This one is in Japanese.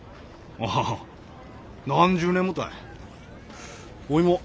ああ何十年もたい。